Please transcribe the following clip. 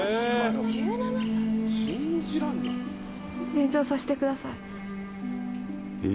「弁償させてください」